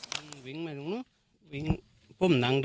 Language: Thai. พันให้หมดตั้ง๓คนเลยพันให้หมดตั้ง๓คนเลย